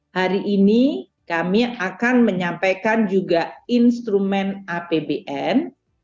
hari ini kami akan menyampaikan juga instrumen apbn